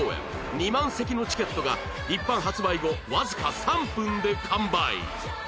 ２万席のチケットが一般発売後わずか３分で完売